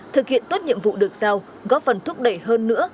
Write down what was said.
thực hiện tốt nhiệm vụ được giao góp phần thúc đẩy hơn nữa